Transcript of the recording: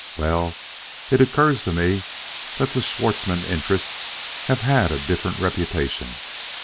well, it occurs to me that the Schwartzmann interests have had a different reputation.